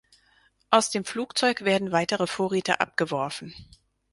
Aus dem Flugzeug werden weitere Vorräte abgeworfen.